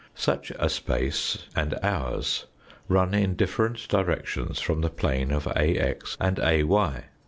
Such a space and ours run in different directions from the plane of AX and AY.